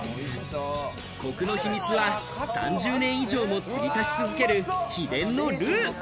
コクの秘密は３０年以上も継ぎ足し続ける、秘伝のルー。